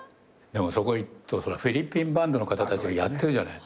そこ行くとフィリピンバンドの方たちがやってるじゃない。